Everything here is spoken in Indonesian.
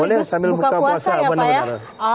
boleh dong pak sekaligus buka puasa ya pak ya